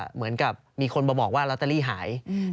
เหมือนกับมีคนมาบอกว่าลอตเตอรี่หาย